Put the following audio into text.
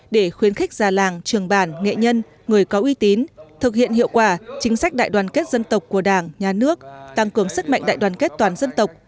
để khuyến khích già làng trường bản nghệ nhân người có uy tín thực hiện hiệu quả chính sách đại đoàn kết dân tộc của đảng nhà nước tăng cường sức mạnh đại đoàn kết toàn dân tộc